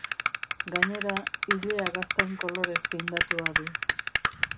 Gainera, ilea gaztain kolorez tindatua du.